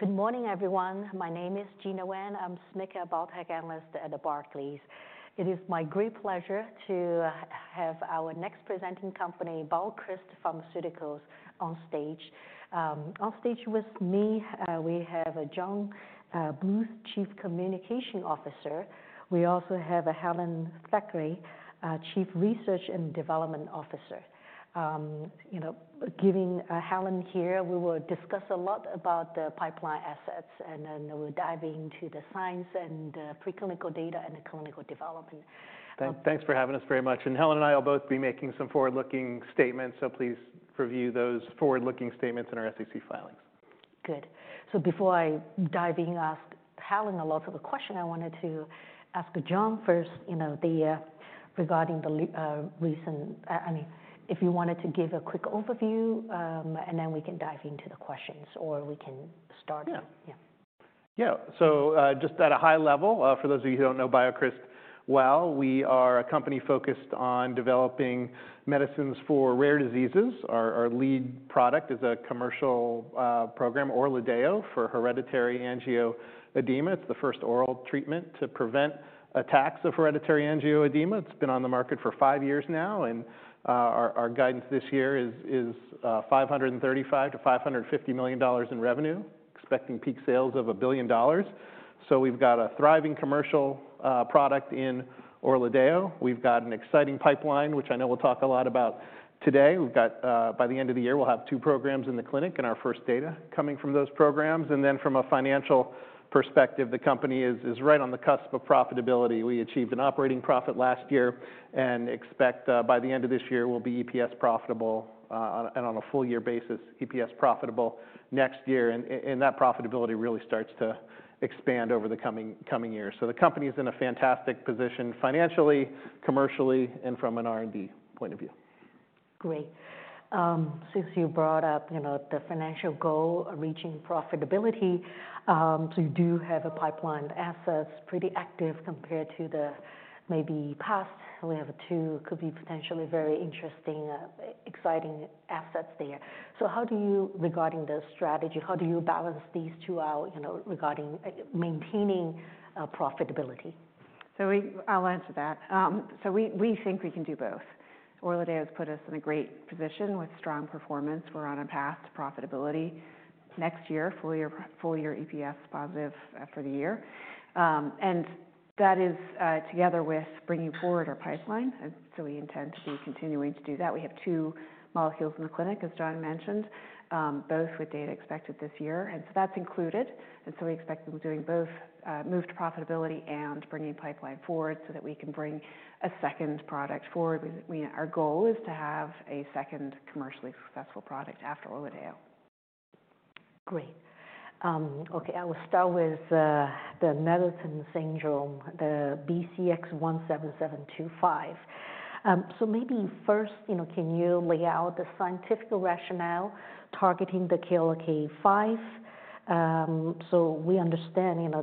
Thank you. Good morning, everyone. My name is Gena Wang. I'm a SMID cap biotech analyst at Barclays. It is my great pleasure to have our next presenting company, BioCryst Pharmaceuticals, on stage. On stage with me, we have John Bluth, Chief Communications Officer. We also have Helen Thackray, Chief Research and Development Officer. Given Helen here, we will discuss a lot about the pipeline assets, and then we'll dive into the science and preclinical data and the clinical development. Thanks for having us very much. Helen and I will both be making some forward-looking statements, so please review those forward-looking statements in our SEC filings. Good. Before I dive in, I asked Helen a lot of the questions. I wanted to ask John first regarding the recent, I mean, if you wanted to give a quick overview, and then we can dive into the questions, or we can start. Yeah. Yeah. Yeah. So just at a high level, for those of you who don't know BioCryst Pharmaceuticals well, we are a company focused on developing medicines for rare diseases. Our lead product is a commercial program, ORLADEYO, for hereditary angioedema. It's the first oral treatment to prevent attacks of hereditary angioedema. It's been on the market for five years now, and our guidance this year is $535-$550 million in revenue, expecting peak sales of $1 billion. We've got a thriving commercial product in ORLADEYO. We've got an exciting pipeline, which I know we'll talk a lot about today. By the end of the year, we'll have two programs in the clinic and our first data coming from those programs. From a financial perspective, the company is right on the cusp of profitability. We achieved an operating profit last year and expect by the end of this year we'll be EPS profitable, and on a full-year basis, EPS profitable next year. That profitability really starts to expand over the coming years. The company is in a fantastic position financially, commercially, and from an R&D point of view. Great. Since you brought up the financial goal of reaching profitability, you do have a pipeline assets pretty active compared to the maybe past. We have two could be potentially very interesting, exciting assets there. How do you, regarding the strategy, how do you balance these two out regarding maintaining profitability? I'll answer that. We think we can do both. ORLADEYO has put us in a great position with strong performance. We're on a path to profitability next year, full-year EPS positive for the year. That is together with bringing forward our pipeline. We intend to be continuing to do that. We have two molecules in the clinic, as John mentioned, both with data expected this year. That's included. We expect we're doing both, move to profitability and bringing pipeline forward so that we can bring a second product forward. Our goal is to have a second commercially successful product after ORLADEYO. Great. Okay. I will start with the Netherton syndrome, the BCX17725. Maybe first, can you lay out the scientific rationale targeting the KLK5? We understand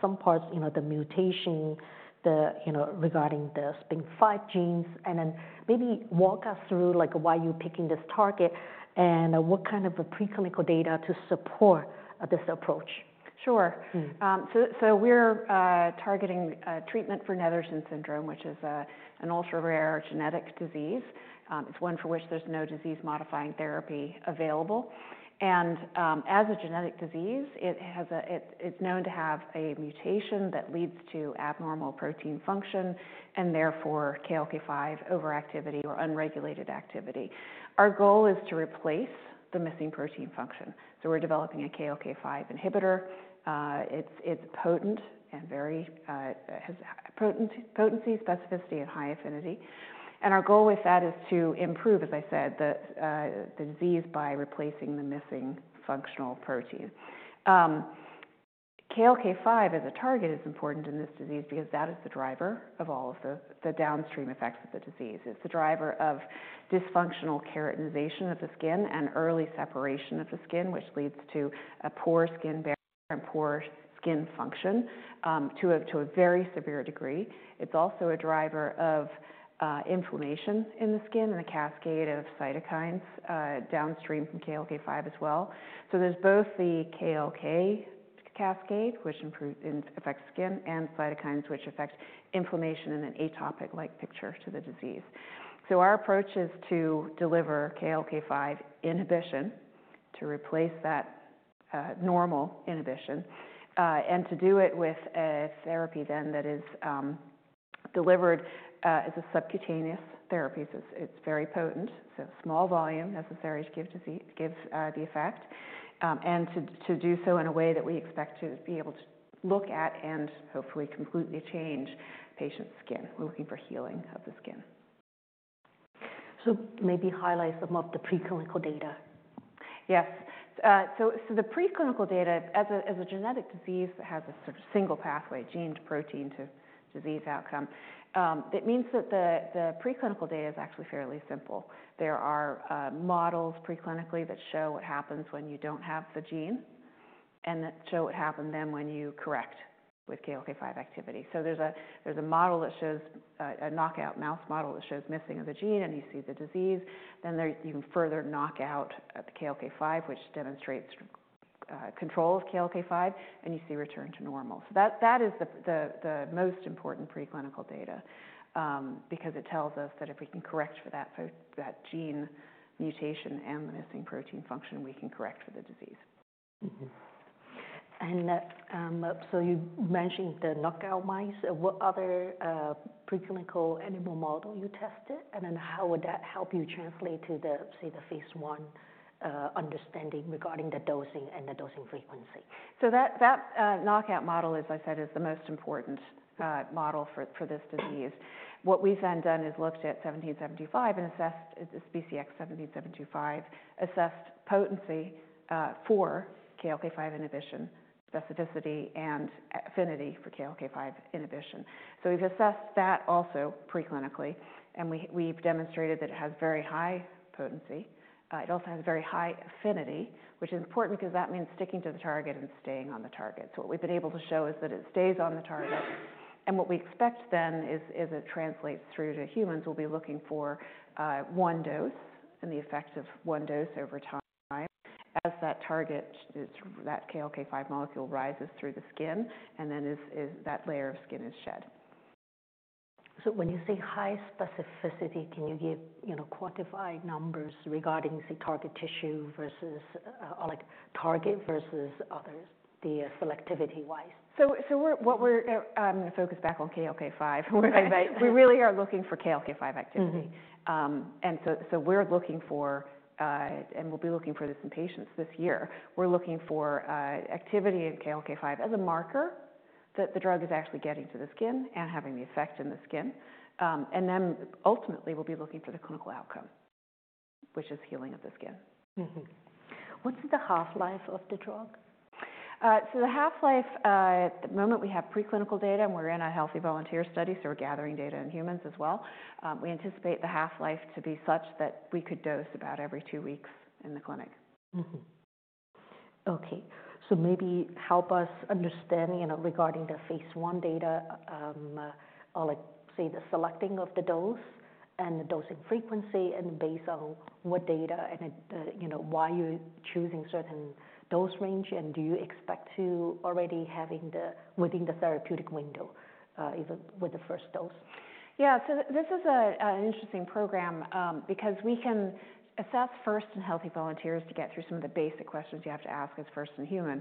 some parts of the mutation regarding the SPINK5 genes. Then maybe walk us through why you're picking this target and what kind of preclinical data to support this approach. Sure. We're targeting treatment for Netherton syndrome, which is an ultra-rare genetic disease. It's one for which there's no disease-modifying therapy available. As a genetic disease, it's known to have a mutation that leads to abnormal protein function and therefore KLK5 overactivity or unregulated activity. Our goal is to replace the missing protein function. We're developing a KLK5 inhibitor. It's potent and has potency, specificity, and high affinity. Our goal with that is to improve, as I said, the disease by replacing the missing functional protein. KLK5 as a target is important in this disease because that is the driver of all of the downstream effects of the disease. It's the driver of dysfunctional keratinization of the skin and early separation of the skin, which leads to a poor skin barrier and poor skin function to a very severe degree. It's also a driver of inflammation in the skin and a cascade of cytokines downstream from KLK5 as well. There is both the KLK cascade, which affects skin, and cytokines which affect inflammation in an atopic-like picture to the disease. Our approach is to deliver KLK5 inhibition to replace that normal inhibition and to do it with a therapy that is delivered as a subcutaneous therapy. It's very potent. Small volume necessary to give the effect and to do so in a way that we expect to be able to look at and hopefully completely change patient skin. We are looking for healing of the skin. Maybe highlight some of the preclinical data. Yes. The preclinical data, as a genetic disease, has a sort of single pathway, gene to protein to disease outcome. That means that the preclinical data is actually fairly simple. There are models preclinically that show what happens when you do not have the gene and that show what happens then when you correct with KLK5 activity. There is a model that shows a knockout mouse model that shows missing of the gene, and you see the disease. You can further knock out the KLK5, which demonstrates control of KLK5, and you see return to normal. That is the most important preclinical data because it tells us that if we can correct for that gene mutation and the missing protein function, we can correct for the disease. You mentioned the knockout mice. What other preclinical animal model you tested? How would that help you translate to the, say, the phase one understanding regarding the dosing and the dosing frequency? That knockout model, as I said, is the most important model for this disease. What we've then done is looked at 17725 and assessed the BCX17725, assessed potency for KLK5 inhibition, specificity, and affinity for KLK5 inhibition. We've assessed that also preclinically, and we've demonstrated that it has very high potency. It also has very high affinity, which is important because that means sticking to the target and staying on the target. What we've been able to show is that it stays on the target. What we expect then is it translates through to humans. We'll be looking for one dose and the effect of one dose over time as that target, that KLK5 molecule rises through the skin and then that layer of skin is shed. When you say high specificity, can you give quantified numbers regarding, say, target tissue versus target versus others, the selectivity-wise? We're going to focus back on KLK5. We really are looking for KLK5 activity. We're looking for, and we'll be looking for this in patients this year. We're looking for activity in KLK5 as a marker that the drug is actually getting to the skin and having the effect in the skin. Ultimately, we'll be looking for the clinical outcome, which is healing of the skin. What's the half-life of the drug? The half-life, at the moment we have preclinical data and we're in a healthy volunteer study, so we're gathering data in humans as well, we anticipate the half-life to be such that we could dose about every two weeks in the clinic. Okay. Maybe help us understand regarding the phase I data, the selecting of the dose and the dosing frequency and based on what data and why you're choosing certain dose range. Do you expect to already having the within the therapeutic window with the first dose? Yeah. This is an interesting program because we can assess first in healthy volunteers to get through some of the basic questions you have to ask as first in human,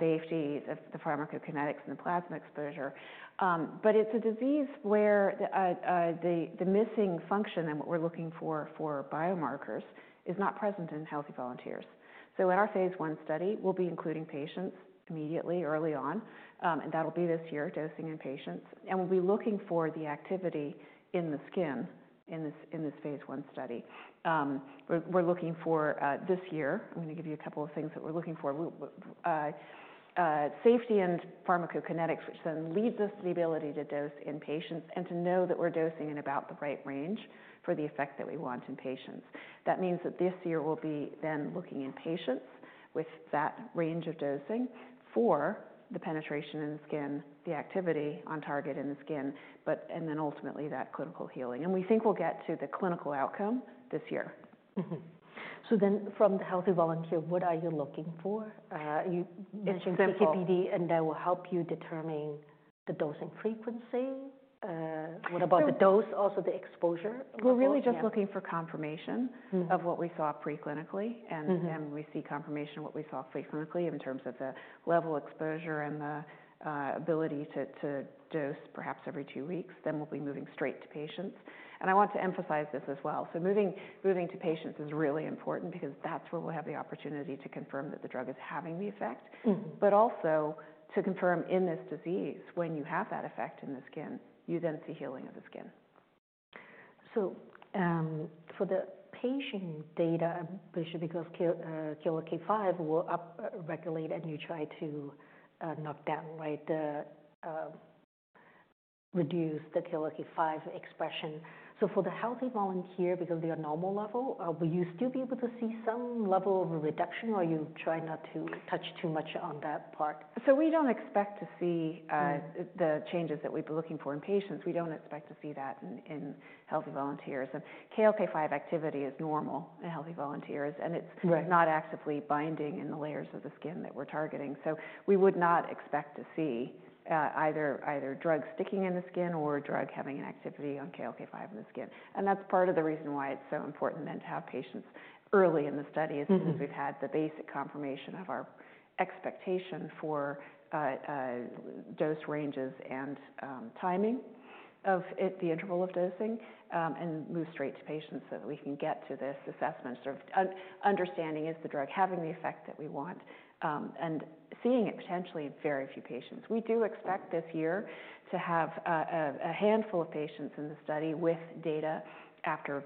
safety, the pharmacokinetics, and the plasma exposure. It is a disease where the missing function and what we're looking for for biomarkers is not present in healthy volunteers. In our phase one study, we'll be including patients immediately, early on, and that'll be this year, dosing in patients. We'll be looking for the activity in the skin in this phase one study. We're looking for this year, I'm going to give you a couple of things that we're looking for, safety and pharmacokinetics, which then leads us to the ability to dose in patients and to know that we're dosing in about the right range for the effect that we want in patients. That means that this year we'll be then looking in patients with that range of dosing for the penetration in the skin, the activity on target in the skin, and then ultimately that clinical healing. We think we'll get to the clinical outcome this year. Then from the healthy volunteer, what are you looking for? You mentioned PK/PD, and that will help you determine the dosing frequency. What about the dose, also the exposure? We're really just looking for confirmation of what we saw preclinically, and we see confirmation of what we saw preclinically in terms of the level of exposure and the ability to dose perhaps every two weeks. We will be moving straight to patients. I want to emphasize this as well. Moving to patients is really important because that's where we'll have the opportunity to confirm that the drug is having the effect, but also to confirm in this disease when you have that effect in the skin, you then see healing of the skin. For the patient data, because KLK5 will upregulate and you try to knock down, right, reduce the KLK5 expression. For the healthy volunteer, because they are normal level, will you still be able to see some level of reduction, or are you trying not to touch too much on that part? We do not expect to see the changes that we've been looking for in patients. We do not expect to see that in healthy volunteers. KLK5 activity is normal in healthy volunteers, and it's not actively binding in the layers of the skin that we're targeting. We would not expect to see either drug sticking in the skin or drug having an activity on KLK5 in the skin. That's part of the reason why it's so important then to have patients early in the study as soon as we've had the basic confirmation of our expectation for dose ranges and timing of the interval of dosing and move straight to patients so that we can get to this assessment, sort of understanding is the drug having the effect that we want and seeing it potentially in very few patients. We do expect this year to have a handful of patients in the study with data after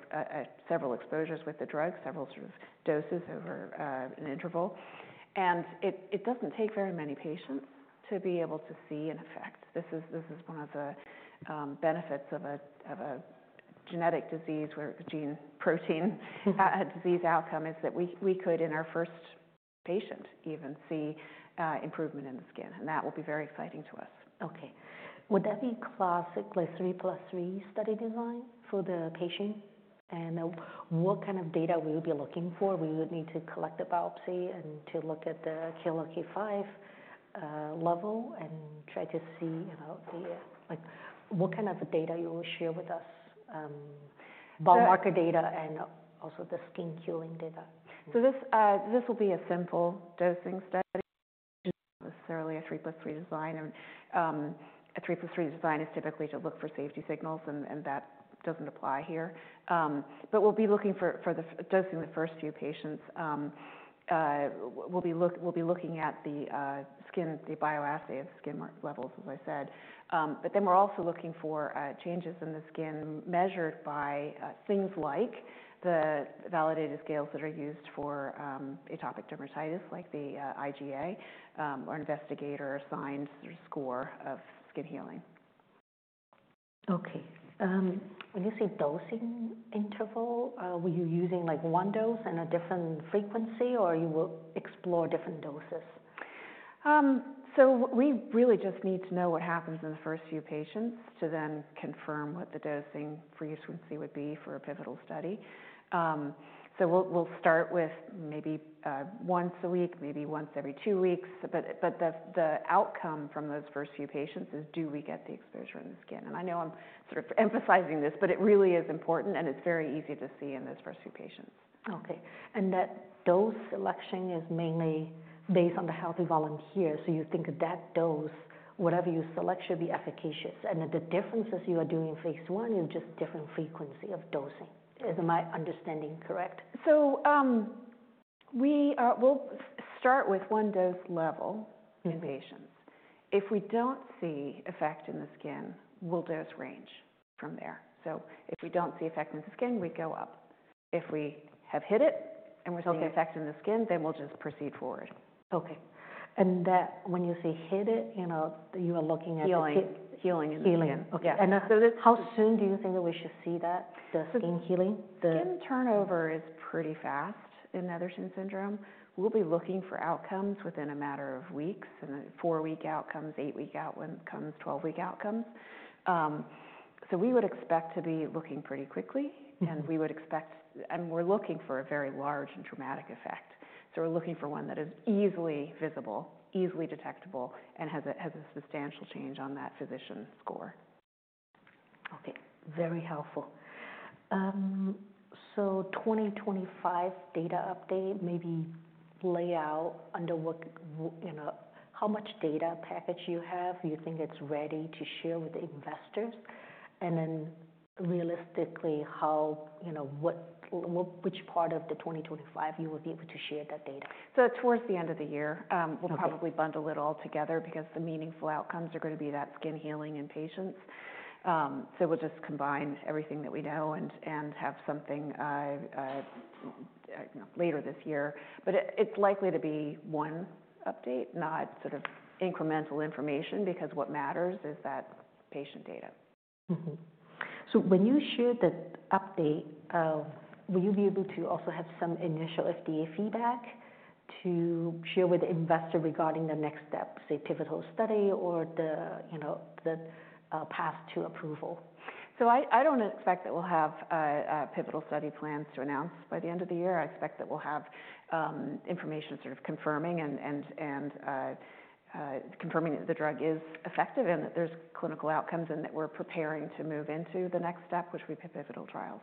several exposures with the drug, several sort of doses over an interval. It does not take very many patients to be able to see an effect. This is one of the benefits of a genetic disease where gene protein disease outcome is that we could, in our first patient, even see improvement in the skin. That will be very exciting to us. Okay. Would that be classically 3 plus 3 study design for the patient? What kind of data will we be looking for? We would need to collect a biopsy and to look at the KLK5 level and try to see what kind of data you will share with us, biomarker data and also the skin healing data. This will be a simple dosing study. It's not necessarily a 3 plus 3 design. A 3 plus 3 design is typically to look for safety signals, and that doesn't apply here. We'll be looking for dosing the first few patients. We'll be looking at the skin, the bioassay of skin levels, as I said. Then we're also looking for changes in the skin measured by things like the validated scales that are used for atopic dermatitis, like the IGA, or investigator assigned score of skin healing. Okay. When you say dosing interval, were you using one dose and a different frequency, or you will explore different doses? We really just need to know what happens in the first few patients to then confirm what the dosing frequency would be for a pivotal study. We'll start with maybe once a week, maybe once every two weeks. The outcome from those first few patients is do we get the exposure in the skin? I know I'm sort of emphasizing this, but it really is important, and it's very easy to see in those first few patients. Okay. That dose selection is mainly based on the healthy volunteer. You think that dose, whatever you select, should be efficacious. The differences you are doing in phase one is just different frequency of dosing. Am I understanding correct? We will start with one dose level in patients. If we do not see effect in the skin, we will dose range from there. If we do not see effect in the skin, we go up. If we have hit it and we are seeing effect in the skin, then we will just proceed forward. Okay. When you say hit it, you are looking at. Healing. Healing in the skin. Healing. Okay. How soon do you think that we should see that, the skin healing? Skin turnover is pretty fast in Netherton syndrome. We'll be looking for outcomes within a matter of weeks, and then four-week outcomes, eight-week outcomes, 12-week outcomes. We would expect to be looking pretty quickly, and we would expect, and we're looking for a very large and dramatic effect. We're looking for one that is easily visible, easily detectable, and has a substantial change on that physician score. Okay. Very helpful. 2025 data update, maybe lay out under how much data package you have, you think it's ready to share with investors, and then realistically which part of 2025 you will be able to share that data. Towards the end of the year, we'll probably bundle it all together because the meaningful outcomes are going to be that skin healing in patients. We'll just combine everything that we know and have something later this year. It's likely to be one update, not sort of incremental information, because what matters is that patient data. When you share the update, will you be able to also have some initial FDA feedback to share with the investor regarding the next step, say, pivotal study or the path to approval? I don't expect that we'll have pivotal study plans to announce by the end of the year. I expect that we'll have information sort of confirming and confirming that the drug is effective and that there's clinical outcomes and that we're preparing to move into the next step, which would be pivotal trials.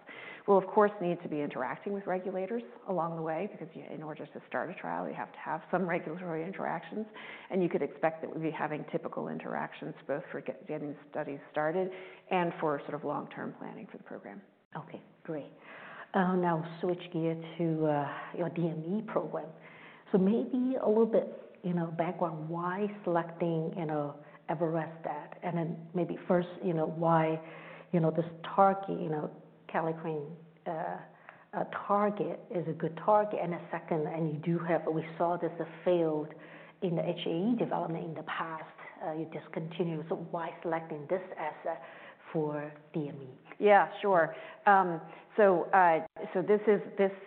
We'll, of course, need to be interacting with regulators along the way because in order to start a trial, you have to have some regulatory interactions. You could expect that we'll be having typical interactions both for getting studies started and for sort of long-term planning for the program. Okay. Great. Now switch gear to your DME program. Maybe a little bit background, why selecting avoralstat? Then maybe first, why this kallikrein target is a good target? Second, you do have, we saw this failed in the HAE development in the past, you discontinued. Why selecting this asset for DME? Yeah, sure.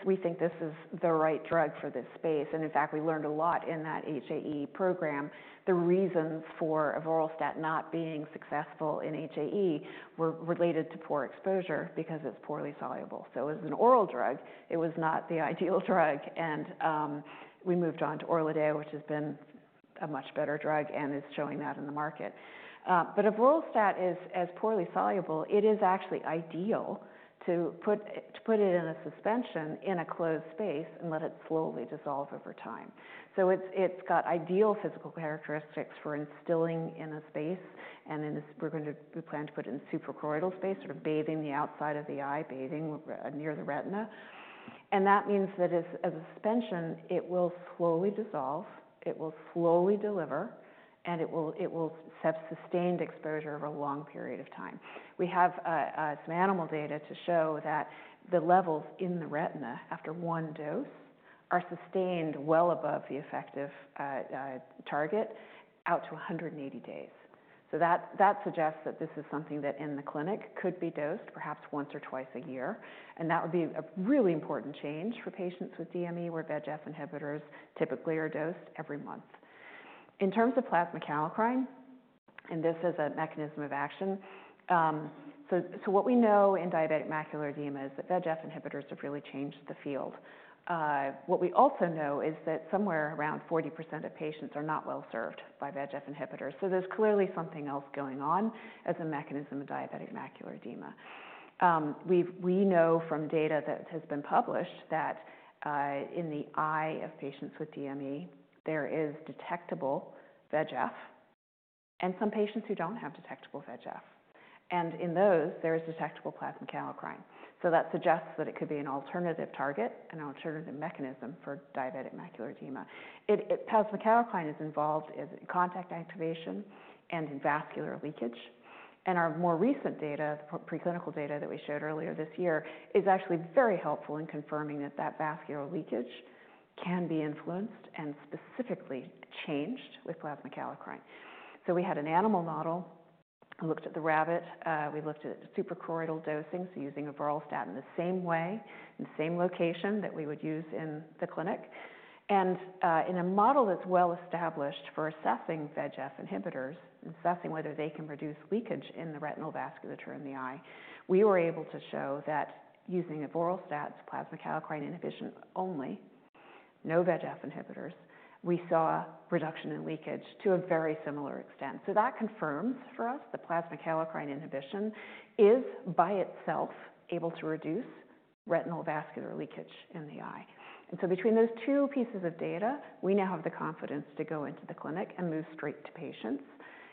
We think this is the right drug for this space. In fact, we learned a lot in that HAE program. The reasons for avoralstat not being successful in HAE were related to poor exposure because it's poorly soluble. As an oral drug, it was not the ideal drug. We moved on to ORLADEYO, which has been a much better drug and is showing that in the market. Avoralstat is poorly soluble, it is actually ideal to put it in a suspension in a closed space and let it slowly dissolve over time. It has ideal physical characteristics for instilling in a space. We are going to plan to put it in suprachoroidal space, sort of bathing the outside of the eye, bathing near the retina. That means that as a suspension, it will slowly dissolve, it will slowly deliver, and it will have sustained exposure over a long period of time. We have some animal data to show that the levels in the retina after one dose are sustained well above the effective target out to 180 days. That suggests that this is something that in the clinic could be dosed perhaps once or twice a year. That would be a really important change for patients with DME where VEGF inhibitors typically are dosed every month. In terms of plasma kallikrein, and this is a mechanism of action, what we know in diabetic macular edema is that VEGF inhibitors have really changed the field. What we also know is that somewhere around 40% of patients are not well served by VEGF inhibitors. There's clearly something else going on as a mechanism of diabetic macular edema. We know from data that has been published that in the eye of patients with DME, there is detectable VEGF and some patients who don't have detectable VEGF. In those, there is detectable plasma kallikrein. That suggests that it could be an alternative target, an alternative mechanism for diabetic macular edema. Plasma kallikrein is involved in contact activation and in vascular leakage. Our more recent data, the preclinical data that we showed earlier this year, is actually very helpful in confirming that vascular leakage can be influenced and specifically changed with plasma kallikrein. We had an animal model, looked at the rabbit, we looked at suprachoroidal dosing, so using avoralstat in the same way, in the same location that we would use in the clinic. In a model that's well established for assessing VEGF inhibitors, assessing whether they can reduce leakage in the retinal vasculature in the eye, we were able to show that using avoralstat, plasma kallikrein inhibition only, no VEGF inhibitors, we saw reduction in leakage to a very similar extent. That confirms for us that plasma kallikrein inhibition is by itself able to reduce retinal vascular leakage in the eye. Between those two pieces of data, we now have the confidence to go into the clinic and move straight to patients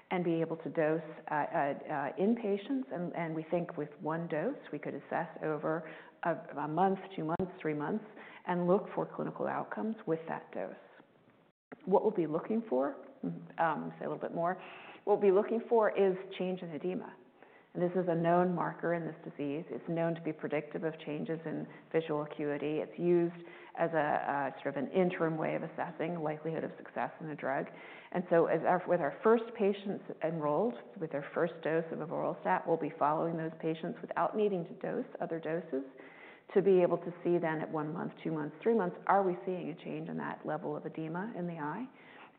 and be able to dose in patients. We think with one dose, we could assess over a month, two months, three months, and look for clinical outcomes with that dose. What we'll be looking for, say a little bit more, what we'll be looking for is change in edema. This is a known marker in this disease. It's known to be predictive of changes in visual acuity. It's used as a sort of an interim way of assessing the likelihood of success in a drug. With our first patients enrolled, with their first dose of avoralstat, we'll be following those patients without needing to dose other doses to be able to see then at one month, two months, three months, are we seeing a change in that level of edema in the eye?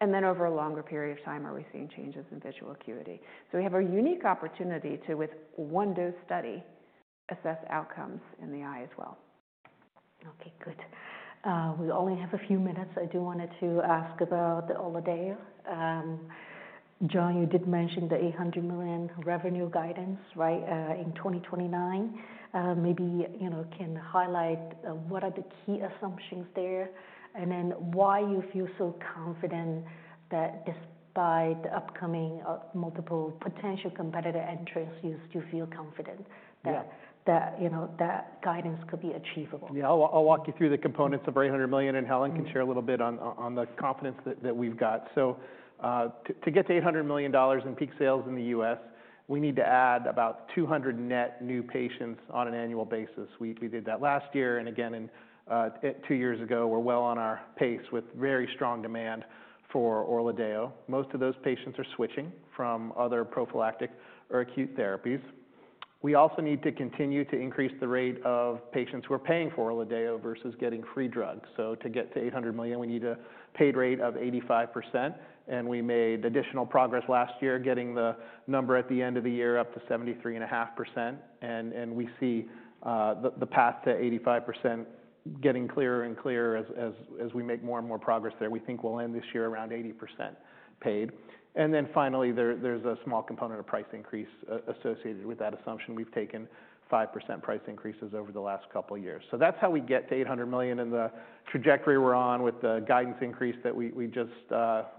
Over a longer period of time, are we seeing changes in visual acuity? We have a unique opportunity to, with one dose study, assess outcomes in the eye as well. Okay, good. We only have a few minutes. I do want to ask about the ORLADEYO. John, you did mention the $800 million revenue guidance, right, in 2029. Maybe you can highlight what are the key assumptions there and then why you feel so confident that despite the upcoming multiple potential competitor entrance, you still feel confident that that guidance could be achievable. Yeah, I'll walk you through the components of $800 million, and Helen can share a little bit on the confidence that we've got. To get to $800 million in peak sales in the US, we need to add about 200 net new patients on an annual basis. We did that last year and again two years ago. We're well on our pace with very strong demand for ORLADEYO. Most of those patients are switching from other prophylactic or acute therapies. We also need to continue to increase the rate of patients who are paying for ORLADEYO versus getting free drugs. To get to $800 million, we need a paid rate of 85%. We made additional progress last year getting the number at the end of the year up to 73.5%. We see the path to 85% getting clearer and clearer as we make more and more progress there. We think we'll end this year around 80% paid. Finally, there's a small component of price increase associated with that assumption. We've taken 5% price increases over the last couple of years. That's how we get to $800 million in the trajectory we're on with the guidance increase that we just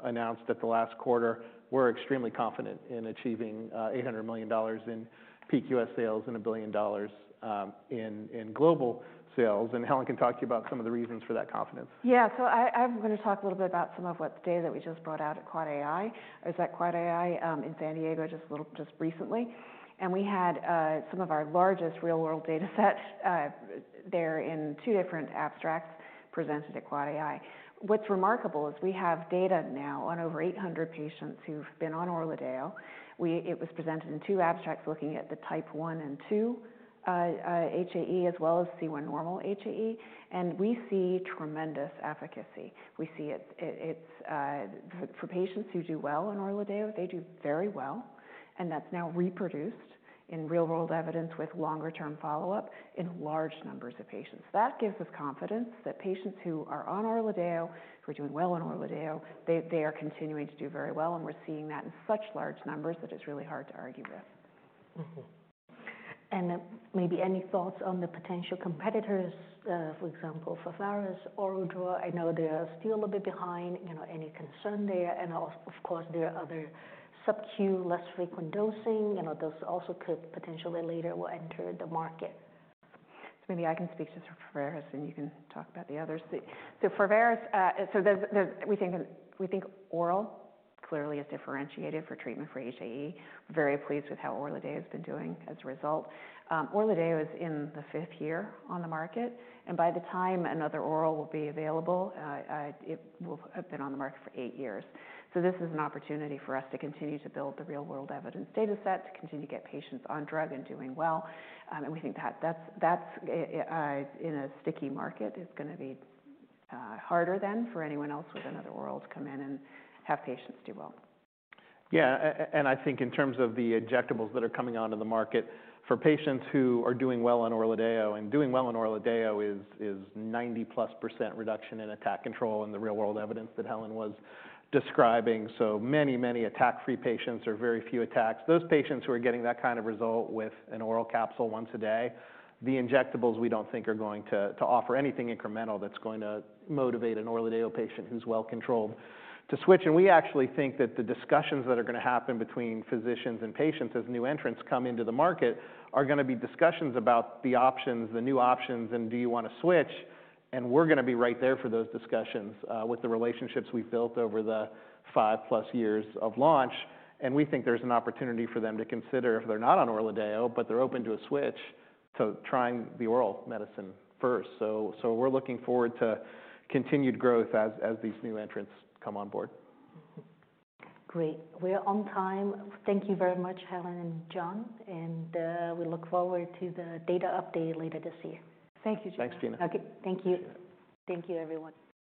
announced at the last quarter. We're extremely confident in achieving $800 million in peak US sales and $1 billion in global sales. Helen can talk to you about some of the reasons for that confidence. Yeah, so I'm going to talk a little bit about some of what data that we just brought out at AAAAI. I was at AAAAI in San Diego just recently. We had some of our largest real-world data set there in two different abstracts presented at AAAAI. What's remarkable is we have data now on over 800 patients who've been on ORLADEYO. It was presented in two abstracts looking at the type 1 and 2 HAE as well as C1 normal HAE. We see tremendous efficacy. For patients who do well on ORLADEYO, they do very well. That's now reproduced in real-world evidence with longer-term follow-up in large numbers of patients. That gives us confidence that patients who are on ORLADEYO, who are doing well on ORLADEYO, they are continuing to do very well. We're seeing that in such large numbers that it's really hard to argue with. Maybe any thoughts on the potential competitors, for example, Pharvaris, donidalorsen? I know they are still a bit behind. Any concern there? Of course, there are other sub-Q, less frequent dosing. Those also could potentially later will enter the market. Maybe I can speak to Pharvaris, and you can talk about the others. Pharvaris, we think oral clearly is differentiated for treatment for HAE. Very pleased with how ORLADEYO has been doing as a result. ORLADEYO is in the fifth year on the market. By the time another oral will be available, it will have been on the market for eight years. This is an opportunity for us to continue to build the real-world evidence data set, to continue to get patients on drug and doing well. We think that that's in a sticky market. It's going to be harder then for anyone else with another oral to come in and have patients do well. Yeah, and I think in terms of the injectables that are coming onto the market for patients who are doing well on ORLADEYO, and doing well on ORLADEYO is 90+% reduction in attack control in the real-world evidence that Helen was describing. So many, many attack-free patients or very few attacks. Those patients who are getting that kind of result with an oral capsule once a day, the injectables we don't think are going to offer anything incremental that's going to motivate an ORLADEYO patient who's well controlled to switch. We actually think that the discussions that are going to happen between physicians and patients as new entrants come into the market are going to be discussions about the options, the new options, and do you want to switch? We are going to be right there for those discussions with the relationships we have built over the five plus years of launch. We think there is an opportunity for them to consider if they are not on ORLADEYO, but they are open to a switch to trying the oral medicine first. We are looking forward to continued growth as these new entrants come on board. Great. We're on time. Thank you very much, Helen and John. We look forward to the data update later this year. Thank you, Gena. Thanks, Gena. Okay, thank you. Thank you, everyone.